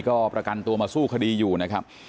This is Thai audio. ก็ประกันตัวมาสู้คดีอยู่นะครับ